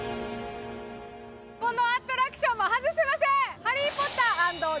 このアトラクションも外せません！